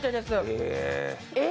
え。